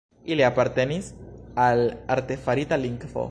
Ili apartenis al artefarita lingvo.